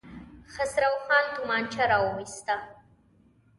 خسرو خان توپانچه را وايسته.